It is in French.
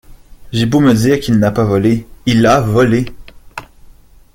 J’ai beau me dire qu’il n’a pas volé, il a volé!